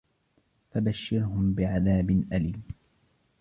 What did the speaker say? فبشرهم بعذاب أليم